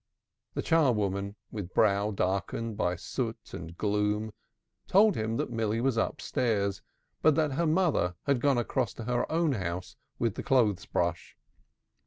The char woman, with brow darkened by soot and gloom, told him that Milly was upstairs, but that her mother had gone across to her own house with the clothes brush.